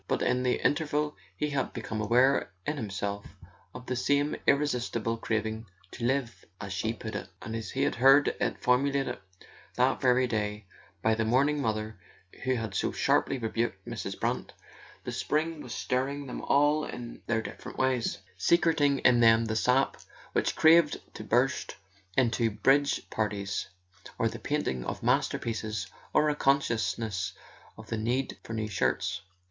But in the in¬ terval he had become aware in himself of the same [ 224 ] A SON AT THE FRONT irresistible craving to "live," as she put it, and as he had heard it formulated, that very day, by the mourn¬ ing mother who had so sharply rebuked Mrs. Brant. The spring was stirring them all in their different ways, secreting in them the sap which craved to burst into bridge parties, or the painting of masterpieces, or a consciousness of the need for new shirts.